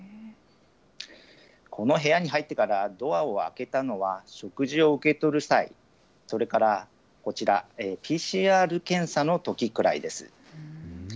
この部屋に入ってからドアを開けたのは、食事を受け取る際、それからこちら、ＰＣＲ検査のときくらいです。